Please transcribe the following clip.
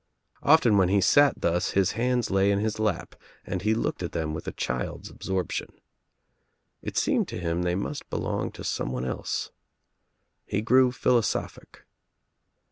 Often when he sat thus his hands lay in his lap and he looked at them with a child's absorption. It seemed to him they must belong to someone else. He grew philosophic.